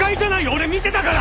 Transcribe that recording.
俺見てたから！